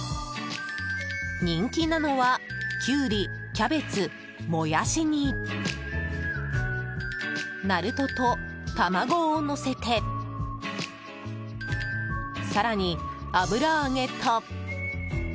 人気なのは、キュウリ、キャベツモヤシに、なるとと卵をのせて更に油揚げと。